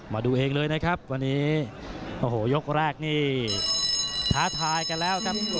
มาดูเองเลยนะครับวันนี้โอ้โหยกแรกนี่ท้าทายกันแล้วครับ